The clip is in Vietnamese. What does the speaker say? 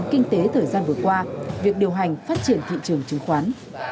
liên quan đến các vụ án kinh tế thời gian vừa qua việc điều hành phát triển thị trường chứng khoán